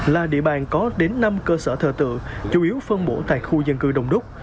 là địa bàn có đến năm cơ sở thờ tự chủ yếu phân bổ tại khu dân cư đông đúc